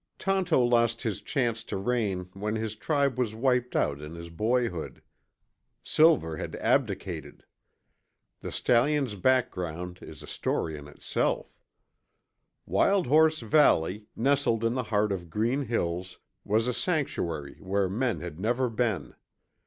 Tonto lost his chance to reign when his tribe was wiped out in his boyhood. Silver had abdicated. The stallion's background is a story in itself: Wild Horse Valley, nestled in the heart of green hills, was a sanctuary where men had never been.